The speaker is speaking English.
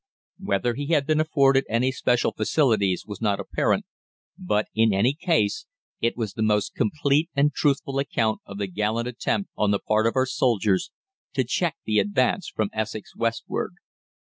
Whether he had been afforded any special facilities was not apparent, but, in any case, it was the most complete and truthful account of the gallant attempt on the part of our soldiers to check the advance from Essex westward.